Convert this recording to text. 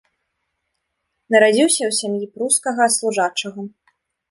Нарадзіўся ў сям'і прускага служачага.